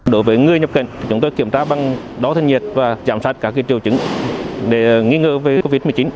đối với người nhập cảnh chúng tôi kiểm tra bằng đo thân nhiệt và giảm sát các triệu chứng để nghi ngờ về covid một mươi chín